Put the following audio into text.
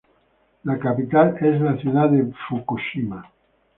La capital es la ciudad de Fukushima.